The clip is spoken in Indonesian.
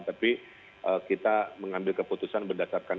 tapi kita mengambil keputusan berdasarkan